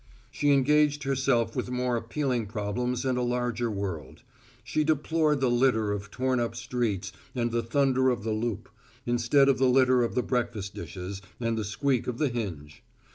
She engaged herself with more appealing problems and a larger world. She deplored the litter of torn up streets and the thunder of the loop, instead of the litter of the breakfast dishes and the squeak of the hinge.